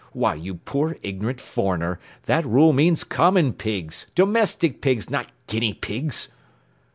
Why, you poor ignorant foreigner, that rule means common pigs, domestic pigs, not guinea pigs!